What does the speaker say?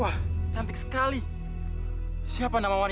mas tombak kamu sudah berjalan jalan sampai sejauh ini